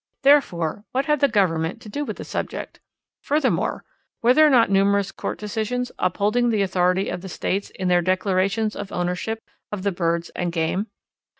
Therefore what had the Government to do with the subject? Furthermore, were there not numerous court decisions upholding the authority of the states in their declarations of ownership of the birds and game?